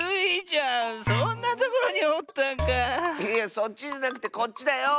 そっちじゃなくてこっちだよ！